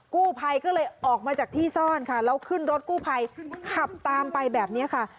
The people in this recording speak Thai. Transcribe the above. กู้ภัยก็เลยออกมาจากที่ซ่อนค่ะแล้วขึ้นรถกู้ภัยขับตามไปแบบนี้ค่ะ